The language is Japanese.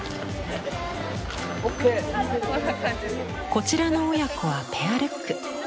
こちらの親子はペアルック。